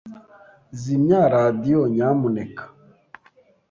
Zimya radio, nyamuneka.